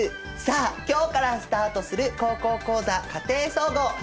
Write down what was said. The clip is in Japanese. さあ今日からスタートする「高校講座家庭総合」。